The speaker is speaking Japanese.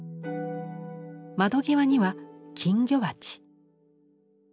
窓際には金魚鉢。